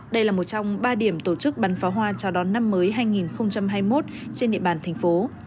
đây là một trong ba điểm tổ chức bắn pháo hoa chào đón năm mới hai nghìn hai mươi một trên địa bàn thành phố